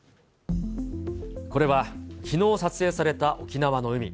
これはきのう撮影された沖縄の海。